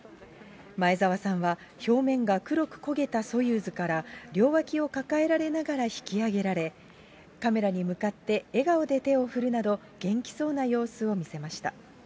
前澤さんは、表面が黒く焦げたソユーズから、両脇を抱えられながら引き上げられ、カメラに向かって、笑顔で手を振るなど、元気そうな様子を見せました。